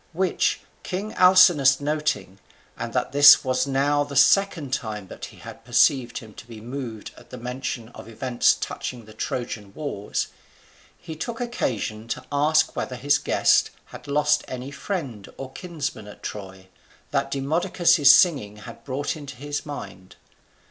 Which king Alcinous noting, and that this was now the second time that he had perceived him to be moved at the mention of events touching the Trojan wars, he took occasion to ask whether his guest had lost any friend or kinsman at Troy, that Demodocus's singing had brought into his mind.